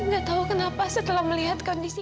gak tahu kenapa setelah melihat kondisi